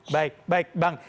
baik baik bang